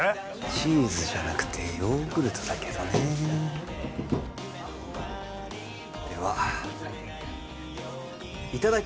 チーズじゃなくてヨーグルトだけどねではいただき